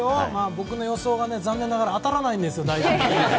僕の予想が残念ながら当たらないんです。